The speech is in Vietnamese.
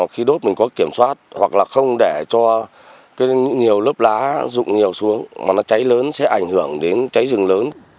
khi đốt mình có kiểm soát hoặc là không để cho nhiều lớp lá rụng nhiều xuống mà nó cháy lớn sẽ ảnh hưởng đến cháy rừng lớn